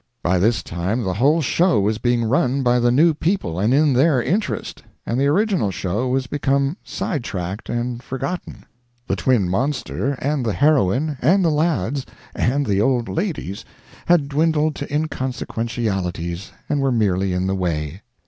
By this time the whole show was being run by the new people and in their interest, and the original show was become side tracked and forgotten; the twin monster, and the heroine, and the lads, and the old ladies had dwindled to inconsequentialities and were merely in the way.